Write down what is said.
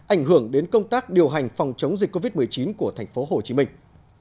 ảnh hưởng đến công tác điều hành phòng chống dịch covid một mươi chín của thành phố hồ chí minh